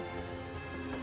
dia juga menangis